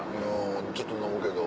ちょっと飲むけど。